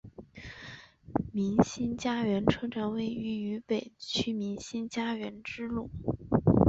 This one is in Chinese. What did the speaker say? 民心佳园车站位于渝北区民心佳园支路。